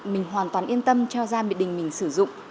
mình hoàn toàn yên tâm cho gia đình mình sử dụng